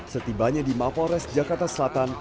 setibanya di mapol res jakarta selatan